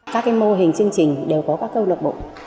các mô hình chương trình đều có các câu lạc bộ